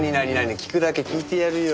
聞くだけ聞いてやるよ。